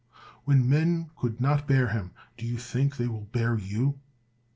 When men could not bear him, do you think they will bear you?